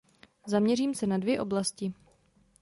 Zaměřím se na dvě oblasti.